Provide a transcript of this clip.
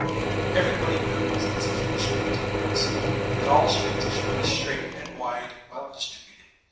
Everybody knows it's a foolish way to build a city ; that all streets should be straight and wide and well distributed.